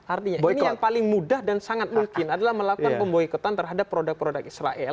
artinya ini yang paling mudah dan sangat mungkin adalah melakukan pemboikotan terhadap produk produk israel